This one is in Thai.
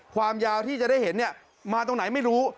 ความยาวที่จะได้เห็นมาตรงไหนไม่รู้